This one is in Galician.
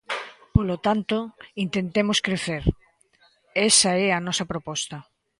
Polo tanto, intentemos crecer; esa é a nosa proposta.